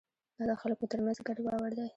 دا د خلکو ترمنځ ګډ باور دی.